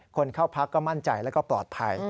คนเข้าพักก็มั่นใจแล้วก็ปลอดภัย